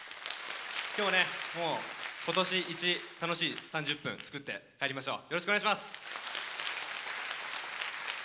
今日、今年イチ楽しい３０分、作って帰りましょう。